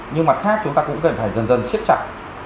nhưng mặt khác chúng ta cũng cần phải dần dần siết chặt